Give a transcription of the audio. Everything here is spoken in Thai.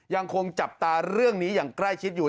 ยังคงจับตาเรื่องนี้อย่างใกล้ชิดอยู่